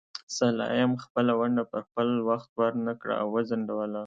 سلایم خپله ونډه پر خپل وخت ورنکړه او وځنډوله.